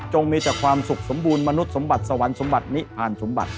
มีแต่ความสุขสมบูรณมนุษย์สมบัติสวรรค์สมบัตินิอ่านสมบัติ